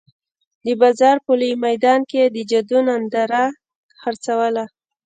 د بازار په لوی میدان کې یې د جادو ننداره خرڅوله.